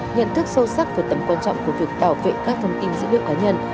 nhận thức sâu sắc về tầm quan trọng của việc bảo vệ các thông tin dữ liệu cá nhân